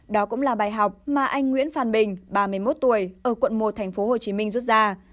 đó cũng là bài học mà anh nguyễn phan bình ba mươi một tuổi ở quận một tp hcm rút ra